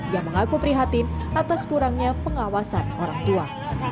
yang mengaku prihatin atas kurangnya pengawasan orang tua